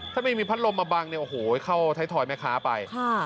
ถ้าไม่มีพัดลมมาบังเนี่ยโอ้โหเข้าไทยทอยแม่ค้าไป